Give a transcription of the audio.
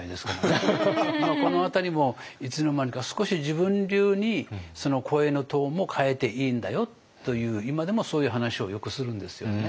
でもこの辺りもいつの間にか少し自分流にその声のトーンも変えていいんだよという今でもそういう話をよくするんですよね。